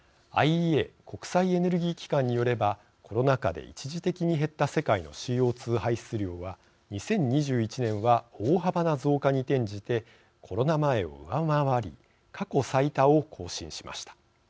ＩＥＡ＝国際エネルギー機関によればコロナ禍で一時的に減った世界のＣＯ２排出量は２０２１年は大幅な増加に転じてコロナ前を上回り過去最多を更新しました。